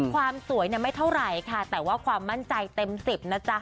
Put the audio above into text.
ความสวยไม่เท่าไหร่ค่ะแต่ว่าความมั่นใจเต็ม๑๐นะจ๊ะ